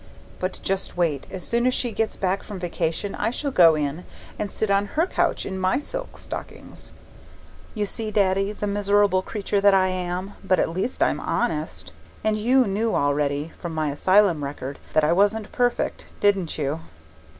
But just wait as soon as she gets back from vacation I shall go in and sit on her couch in my silk stockings. You see, Daddy, the miserable creature that I am but at least I'm honest; and you knew already, from my asylum record, that I wasn't perfect, didn't you?